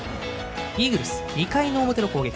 イーグルス２回の表の攻撃。